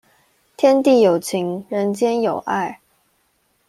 天地有情，人間有愛